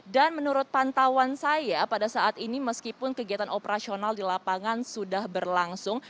dan menurut pantauan saya pada saat ini meskipun kegiatan operasional di lapangan sudah berlangsung